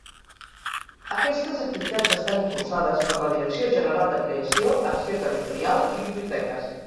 Aquestes activitats estan impulsades per la Direcció General de Creació, Acció Territorial i Biblioteques.